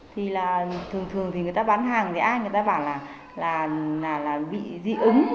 thì là thường thường thì người ta bán hàng thì ai người ta bảo là bị dị ứng